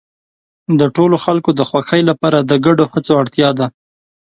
د ټولو خلکو د خوښۍ لپاره د ګډو هڅو اړتیا ده.